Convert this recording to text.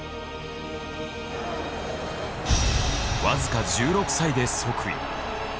僅か１６歳で即位。